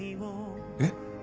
えっ？